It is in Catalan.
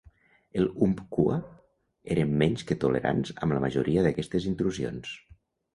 Els umpqua eren menys que tolerants amb la majoria d'aquestes intrusions.